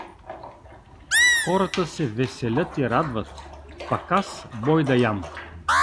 Хората се веселят и радват, пък аз бой да ям.